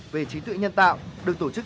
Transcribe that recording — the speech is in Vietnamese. về trí tuệ nhân tạo được tổ chức